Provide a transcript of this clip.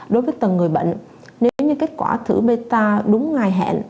đối với tầng người bệnh nếu như kết quả thử meta đúng ngày hẹn